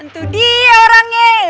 tuh dia orangnya